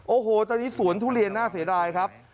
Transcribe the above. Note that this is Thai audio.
โอ้โหตอนนี้สวนทุเรียนน่าเสียดายครับ